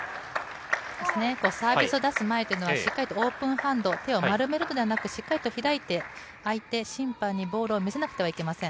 サービスを出す前というのは、しっかりとオープンハンド、手を丸めるのではなくて、しっかりと開いて、相手、審判にボールを見せなくてはいけません。